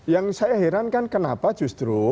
yang saya herankan kenapa justru